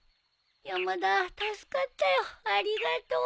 山田助かったよありがとう。